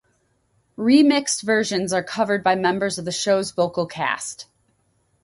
Remixed versions are covered by members of the show's vocal cast.